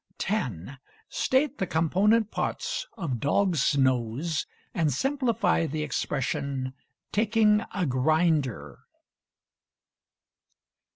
10. State the component parts of dog's nose; and simplify the expression "taking a grinder."